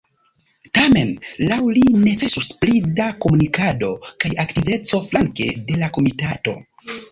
Tamen laŭ li necesus pli da komunikado kaj aktiveco flanke de la komitato.